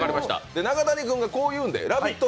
中谷君がこう言うんで「ラヴィット！」